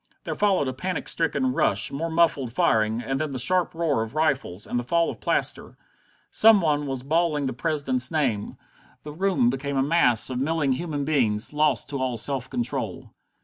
There followed a panic stricken rush, more muffled firing, and then the sharp roar of rifles, and the fall of plaster. Some one was bawling the President's name. The rooms became a mass of milling human beings, lost to all self control.